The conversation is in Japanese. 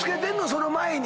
その前に。